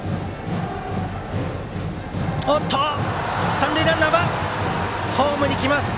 三塁ランナー、ホームに来ました。